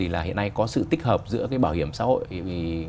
là hiện nay có sự tích hợp giữa cái bảo hiểm xã hội